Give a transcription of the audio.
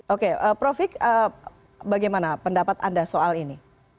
oke profik bagaimana pendapat anda soal ini